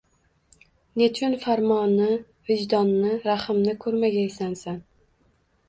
Nechun farmoni-vijdoni-rahimni koʻrmagaysan, san